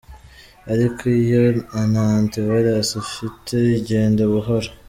Ariko iyo nta antivirus ufite igenda buhoro, .